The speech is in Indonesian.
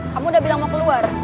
kamu udah bilang mau keluar